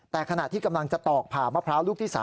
แต่ขณะที่กำลังจะตอกผ่ามะพร้าวลูกที่๓